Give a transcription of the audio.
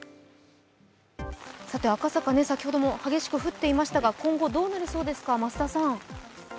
さて赤坂、先ほども、激しく降っていましたが今後どうなりそうですか、増田さん？